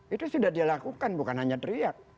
itu sudah dilakukan bukan hanya teriak